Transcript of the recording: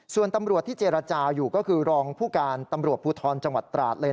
ส่วนตำรวจที่เจรจาอยู่ก็คือรองผู้การตำรวจภูทรจังหวัดตราดเลย